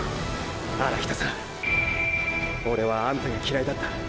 荒北さんオレはあんたが嫌いだった。